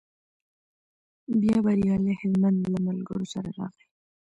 بیا بریالی هلمند له ملګرو سره راغی.